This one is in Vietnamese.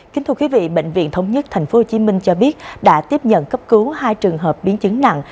kính thưa quý vị bệnh viện thống nhất tp hcm cho biết đã tiếp nhận cấp cứu hai trường hợp biến chứng nặng